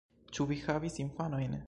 Ĉu vi havis infanojn?